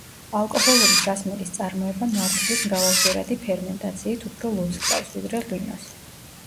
ალკოჰოლური სასმელის წარმოება მარცვლის მრავალჯერადი ფერმენტაციით უფრო ლუდს ჰგავს, ვიდრე ღვინოს.